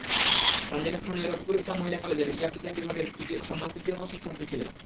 তানজিনা স্থানীয় রফিকুল ইসলাম মহিলা কলেজের হিসাববিজ্ঞান বিভাগের সম্মান তৃতীয় বর্ষের ছাত্রী ছিলেন।